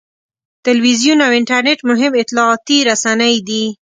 تلویزیون او انټرنېټ مهم اطلاعاتي رسنۍ دي.